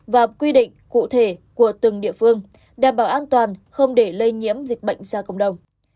và quy định cụ thể của từng địa phương đảm bảo an toàn không để lây nhiễm dịch bệnh ra cộng đồng